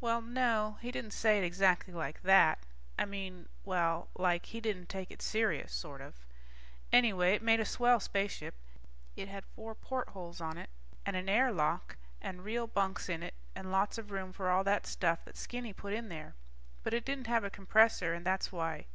Well, no, he didn't say it exactly like that. I mean, well, like he didn't take it serious, sort of. Anyway, it made a swell spaceship. It had four portholes on it and an air lock and real bunks in it and lots of room for all that stuff that Skinny put in there. But it didn't have a compressor and that's why